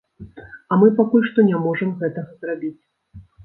А мы пакуль што не можам гэтага зрабіць.